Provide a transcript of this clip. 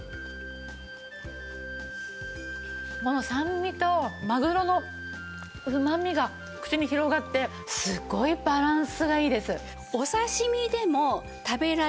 酸味とマグロのうまみが口に広がってすごいバランスがいいです。